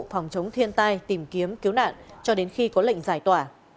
phòng chống thiên tai tìm kiếm cứu nạn cho đến khi có lệnh giải tỏa